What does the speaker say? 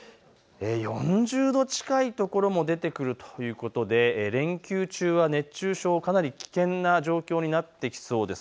４０度近い所も出てくるということで連休中は熱中症、かなり危険な状況になってきそうです。